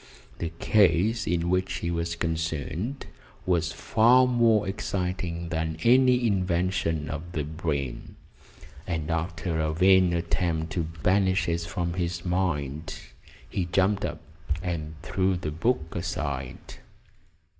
The case in which he was concerned was far more exciting than any invention of the brain, and after a vain attempt to banish it from his mind he jumped up and threw the book aside.